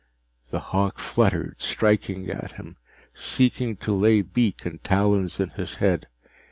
The hawk fluttered, striking at him, seeking to lay beak and talons in his head.